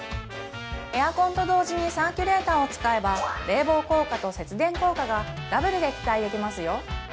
エアコンと同時にサーキュレーターを使えば冷房効果と節電効果がＷで期待できますよ